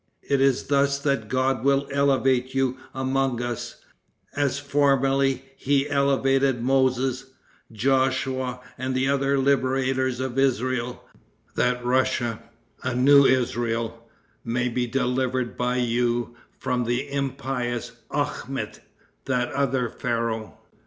It is thus that God will elevate you among us, as formerly he elevated Moses, Joshua and the other liberators of Israel, that Russia, a new Israel, may be delivered by you from the impious Akhmet, that other Pharaoh.